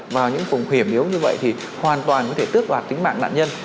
vào những phùng khuyển nếu như vậy thì hoàn toàn có thể tước đoạt tính mạng nạn nhân